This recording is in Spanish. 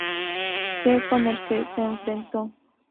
C., con el que se enfrentó.